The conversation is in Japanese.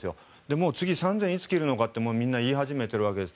もう次、３０００いつ切るのかとみんな言い始めてるわけです。